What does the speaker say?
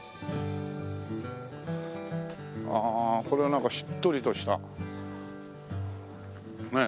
ああこれはなんかしっとりとしたねえ。